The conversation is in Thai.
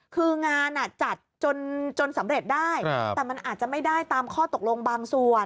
คืองานจัดจนสำเร็จได้แต่มันอาจจะไม่ได้ตามข้อตกลงบางส่วน